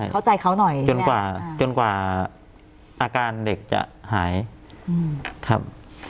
เข้าใจเขาหน่อยจนกว่าจนกว่าอาการเด็กจะหายครับ